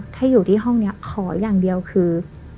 ถ้าอยู่ที่ห้องนี้ขออย่างเดียวคือ